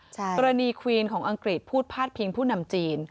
กรณีควีนของอังกฤษพูดพาดพิงผู้นำจีน